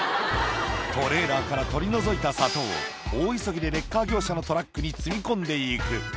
トレーラーから取り除いた砂糖を大急ぎでレッカー業者のトラックに積み込んでいく。